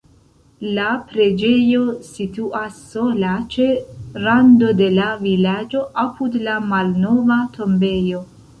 La preĝejo situas sola ĉe rando de la vilaĝo apud la malnova tombejo.